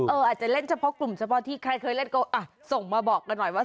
อาจจะเล่นเฉพาะกลุ่มเฉพาะที่ใครเคยเล่นก็ส่งมาบอกกันหน่อยว่า